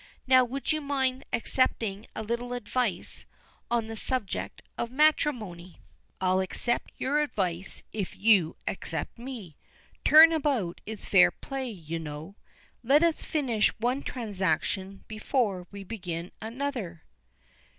Now, would you mind accepting a little advice on the subject of matrimony?" "I'll accept your advice if you'll accept me. Turn about is fair play, you know. Let us finish one transaction before we begin another."